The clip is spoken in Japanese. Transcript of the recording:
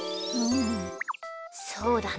そうだね。